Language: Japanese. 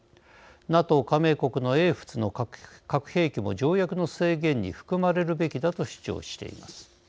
ＮＡＴＯ加盟国の英仏の核兵器も条約の制限に含まれるべきだと主張しています。